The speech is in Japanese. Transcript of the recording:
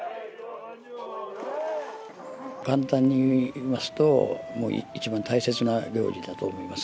簡単に言いますと、もう一番大切な行事だと思います。